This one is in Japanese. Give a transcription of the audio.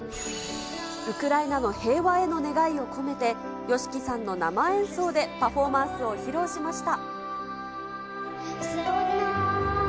ウクライナの平和への願いを込めて、ＹＯＳＨＩＫＩさんの生演奏でパフォーマンスを披露しました。